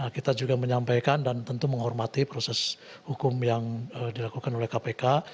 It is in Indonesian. kita juga menyampaikan dan tentu menghormati proses hukum yang dilakukan oleh kpk